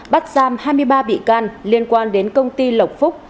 bắt giam hai mươi ba bị can liên quan đến công ty lộc phúc